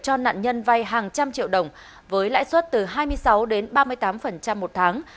cho nạn nhân vay hàng trăm triệu đồng với lãi suất từ hai mươi sáu đến ba mươi tám một tháng